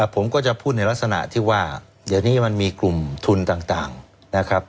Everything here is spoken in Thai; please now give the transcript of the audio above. ผมก็จะพูดในลักษณะที่ว่าเดี๋ยวนี้มันมีกลุ่มทุนต่างนะครับ